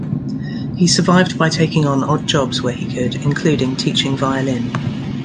He survived by taking on odd jobs where he could, including teaching violin.